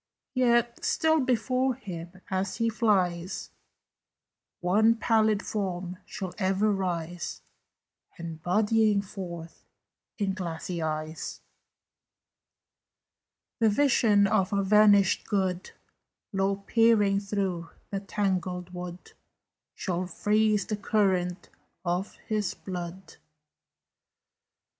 "Yet still before him as he flies One pallid form shall ever rise, And, bodying forth in glassy eyes "The vision of a vanished good, Low peering through the tangled wood, Shall freeze the current of his blood."